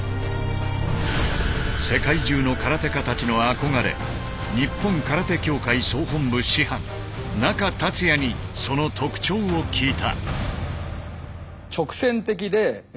世界中の空手家たちの憧れ日本空手協会総本部師範中達也にその特徴を聞いた。